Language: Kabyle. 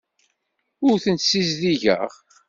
Ur tent-ssizdigeɣ.